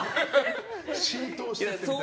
浸透していっちゃって。